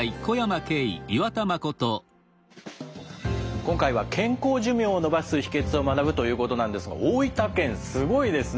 今回は健康寿命を延ばす秘けつを学ぶということなんですが大分県すごいですね。